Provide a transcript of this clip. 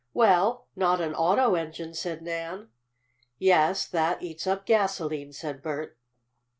"Well, not an auto engine," said Nan. "Yes, that eats up gasolene," said Bert.